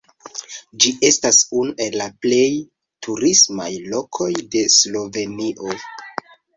Ĝi estas unu el la plej turismaj lokoj de Slovenio.